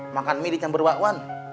makan mie di camber wakwan